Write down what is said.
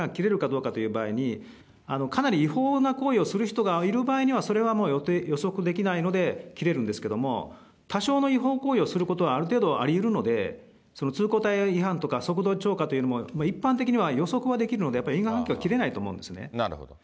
最初の危険運転としの間の因果関係が切れるかどうかという場合に、かなり違法な行為をする人がいる場合にはそれは予測できないので、切れるんですけれども、多少の違法行為をすることはある程度ありうるので、通行帯違反とか、速度超過というのも、一般的には予測はできるので、やっぱり因果関係は切れないと思うんですね。